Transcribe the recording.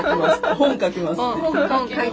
本書きます。